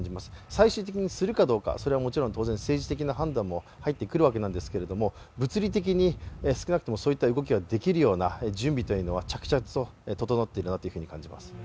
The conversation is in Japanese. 最終的にするかどうか、それはもちろん、政治的な判断も入ってくるわけですが物理的に少なくともそういう動きができるような準備は着々と整っているなというふうに感じます。